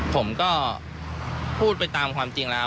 ผมก็พูดไปตามความจริงแล้ว